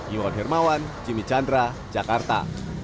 iwan hermawan jimmy chandra jakarta